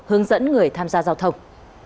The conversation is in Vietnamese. hướng dẫn người tham gia giao thông